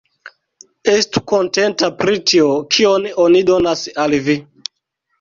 Estu kontenta pri tio, kion oni donas al vi!